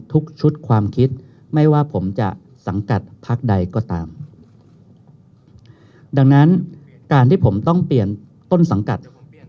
ทุกชุดความคิดไม่ว่าผมจะสังกัดพักใดก็ตามดังนั้นการที่ผมต้องเปลี่ยนต้นสังกัด